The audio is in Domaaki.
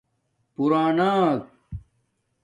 پُراناک